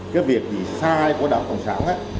cái việc sai của đảng cộng sản